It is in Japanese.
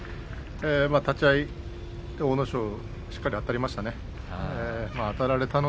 立ち合い阿武咲がしっかりあたりましたね。